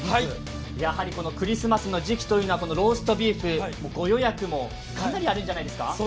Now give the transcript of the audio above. やはりクリスマスの時期というのはこのローストビーフ、ご予約もかなりあるんじゃないですか？